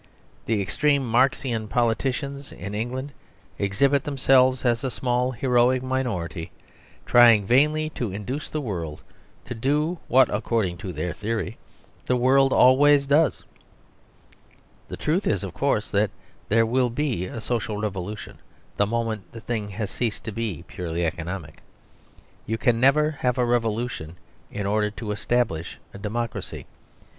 The extreme Marxian politicians in England exhibit themselves as a small, heroic minority, trying vainly to induce the world to do what, according to their theory, the world always does. The truth is, of course, that there will be a social revolution the moment the thing has ceased to be purely economic. You can never have a revolution in order to establish a democracy.